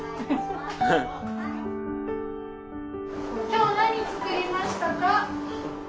今日何作りましたか？